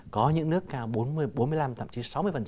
có những nước cao bốn mươi bốn mươi năm tậm chí sáu mươi